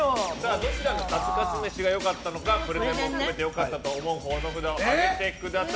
どちらのカツカツ飯が良かったかプレゼンも含めて良かったと思うほうの札を上げてください。